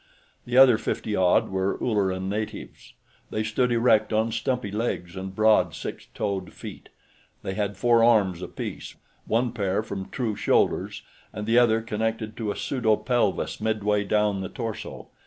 The other fifty odd were Ulleran natives. They stood erect on stumpy legs and broad, six toed feet. They had four arms apiece, one pair from true shoulders and the other connected to a pseudo pelvis midway down the torso.